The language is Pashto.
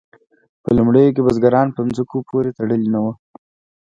په لومړیو کې بزګران په ځمکو پورې تړلي نه وو.